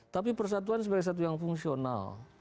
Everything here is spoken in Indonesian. tapi persatuan sebagai satu yang fungsional